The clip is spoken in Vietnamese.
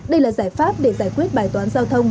đây là giải pháp để giải quyết bài toán giao thông